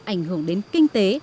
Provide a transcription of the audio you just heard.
ảnh hưởng đến kinh tế